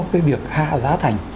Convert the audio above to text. cái việc hạ giá thành